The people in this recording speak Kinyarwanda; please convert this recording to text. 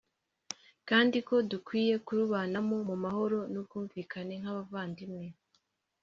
kandi ko dukwiye kurubanamo mu mahoro n’ubwumvikane nk’abavandimwe